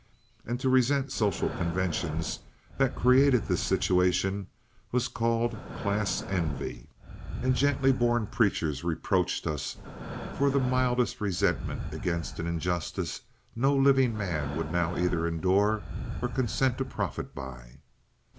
And to resent the social conventions that created their situation, was called "class envy," and gently born preachers reproached us for the mildest resentment against an injustice no living man would now either endure or consent to profit by.